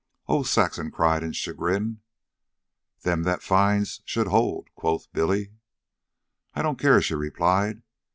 "Oh!" Saxon cried in chagrin. "Them that finds should hold," quoth Billy. "I don't care," she replied.